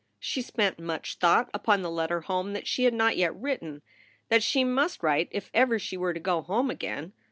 She spent much thought upon the letter home that she had not yet written, that she must write if ever she were to go home again.